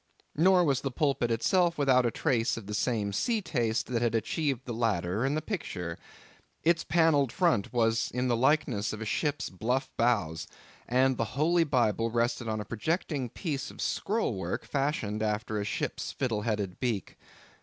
Nor was the pulpit itself without a trace of the same sea taste that had achieved the ladder and the picture. Its panelled front was in the likeness of a ship's bluff bows, and the Holy Bible rested on a projecting piece of scroll work, fashioned after a ship's fiddle headed beak.